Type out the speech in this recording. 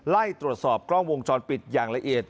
ไล่ตรวจสอบกล้องวงจรปิดอย่างละเอียด